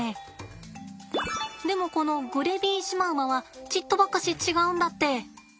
でもこのグレビーシマウマはちっとばかし違うんだって。